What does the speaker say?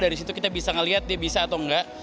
dari situ kita bisa melihat dia bisa atau enggak